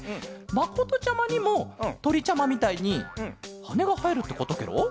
まことちゃまにもとりちゃまみたいにはねがはえるってことケロ？